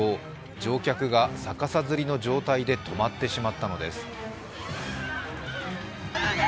乗客が逆さづりの状態で止まってしまったのです。